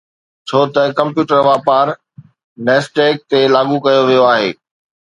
ڇو ته ڪمپيوٽر واپار NASDAQ تي لاڳو ڪيو ويو آهي